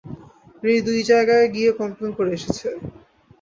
রিনি দুই জায়গায় গিয়ে কমপ্লেন করে এসেছে?